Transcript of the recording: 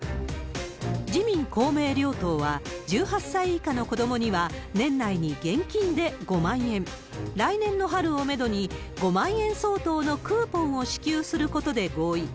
自民、公明両党は、１８歳以下の子どもには年内に現金で５万円、来年の春をメドに、５万円相当のクーポンを支給することで合意。